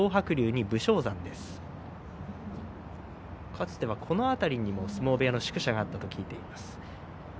かつては、この辺りにも相撲部屋の宿舎があったと聞いています。